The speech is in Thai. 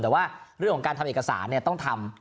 แต่ว่าเรื่องของการทำเอกสารต้องทำ